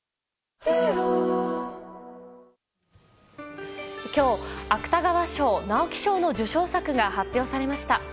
あ今日、芥川賞・直木賞の受賞作が発表されました。